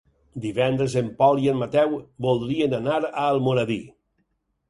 Divendres en Pol i en Mateu voldrien anar a Almoradí.